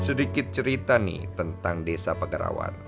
sedikit cerita nih tentang desa pegerawan